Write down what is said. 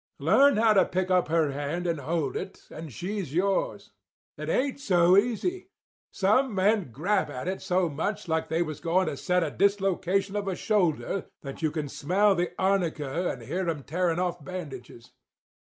Learn how to pick up her hand and hold it, and she's yours. It ain't so easy. Some men grab at it so much like they was going to set a dislocation of the shoulder that you can smell the arnica and hear 'em tearing off bandages.